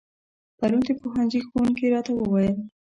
پرون د پوهنځي ښوونکي راته و ويل